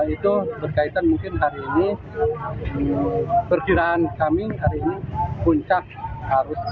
itu berkaitan mungkin hari ini perkiraan kami hari ini puncak arus